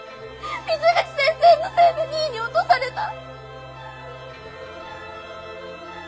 水口先生のせいで２位に落とされた。